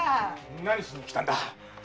何しに来たんだ？